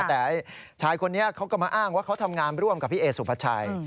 แต่ชายคนนี้เขาก็มาอ้างว่าเขาทำงานร่วมกับพี่เอสุภาชัย